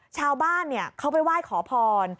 ชาวบ้านเขาไปไหว้ขอพร